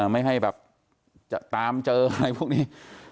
ไม่ให้แบบจะตามเจออะไรพวกนี้